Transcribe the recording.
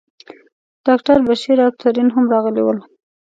ډاکټر بشیر او ترین هم راغلي ول.